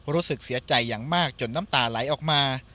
รู้สึกเสียใจอย่างมากจนน้ำตาไหลออกมา